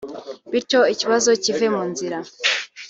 bityo ikibazo kive mu nzira